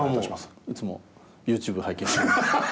いつもＹｏｕＴｕｂｅ拝見して。